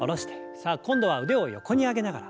さあ今度は腕を横に上げながら。